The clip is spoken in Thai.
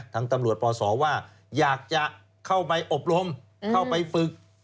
ทางตำรวจปศว่าอยากจะเข้าไปอบรมเข้าไปฝึก